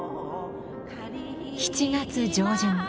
７月上旬。